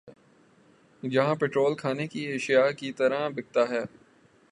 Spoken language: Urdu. جہاں پیٹرول کھانے کی اشیا کی طرح بِکتا ہے